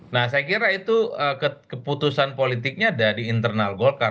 nah saya kira itu keputusan politiknya ada di internal golkar